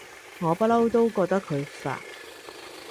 我不嬲都覺得佢煩